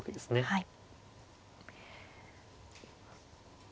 はい。